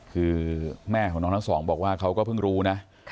คือแม่ของน้องทั้งสองบอกว่าเขาก็เพิ่งรู้นะ